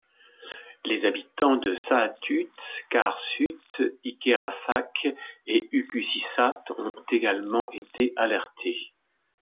Les habitants de Saattut, Qaarsut, Ikerasak et Ukkusissat ont également été alertés.